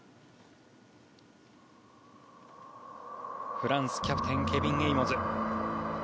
フランスキャプテンケビン・エイモズ。